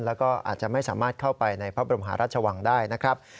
แล้วก็อาจจะไม่สามารถเข้าไปในพระบรมหาราชวังได้นะครับ